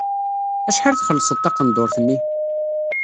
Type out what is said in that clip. Acḥal txellṣeḍ taqendurt-nni?